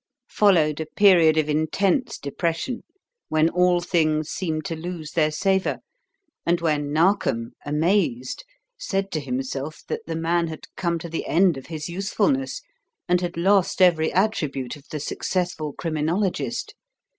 Followed a period of intense depression when all things seemed to lose their savour and when Narkom, amazed, said to himself that the man had come to the end of his usefulness and had lost every attribute of the successful criminologist.